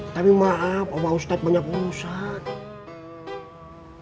tapi maaf pak ustadz banyak urusan